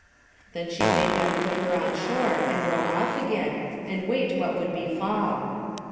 Then she bade them put her on shore, and row off again, and wait what would befall.